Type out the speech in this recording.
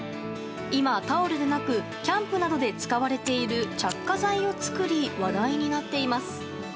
今、タオルでなくキャンプなどで使われてる着火剤を作り話題になっています。